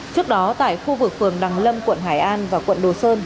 trước đó tại khu vực phường đằng lâm quận hải an và quận đồ sơn